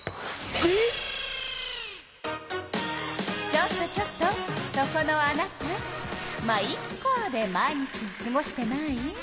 ちょっとちょっとそこのあなた「ま、イッカ」で毎日をすごしてない？